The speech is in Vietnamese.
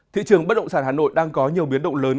thị trường bất động sản hà nội đang có nhiều biến động lớn